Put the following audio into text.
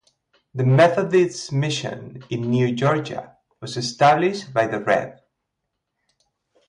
The Methodist Mission in New Georgia was established by the Rev.